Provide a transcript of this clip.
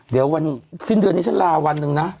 เดี๋ยววันสิ้นเดือนนี้ฉันลาวันหนึ่งนะ